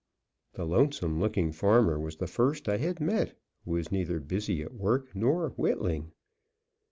The lonesome looking farmer was the first I had met who was neither busy at work nor whittling.